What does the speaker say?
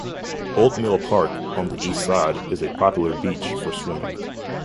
Old Mill Park on the east side is a popular beach for swimming.